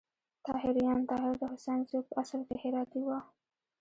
طاهریان: طاهر د حسین زوی په اصل کې هراتی و.